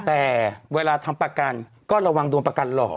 แต่เวลาทำประกันก็ระวังโดนประกันหล่อ